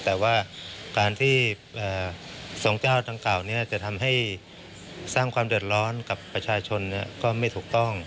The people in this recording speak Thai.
แต่ว่าการที่ทรงเจ้าดังกล่าวจะทำให้สร้างความเดือดร้อนกับประชาชนก็ไม่ถูกต้อง